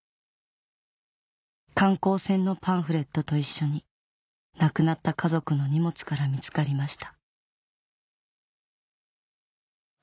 観光船のパンフレットと一緒になくなった家族の荷物から見つかりました